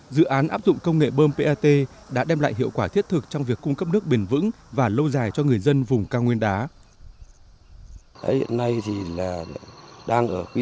dự án áp dụng công nghệ bơm pat đã đem lại hiệu quả thiết thực trong việc cung cấp nước bền vững và lâu dài cho người dân vùng cao nguyên đá